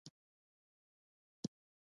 سیندونه خوږې اوبه لري.